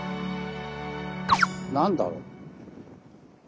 何だろう？